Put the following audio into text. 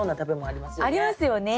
ありますよね。